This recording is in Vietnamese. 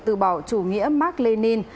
từ bỏ chủ nghĩa mark lenin